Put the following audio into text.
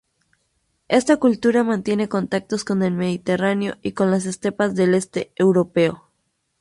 Esta cultura mantiene contactos con el Mediterráneo y con las estepas del este europeo.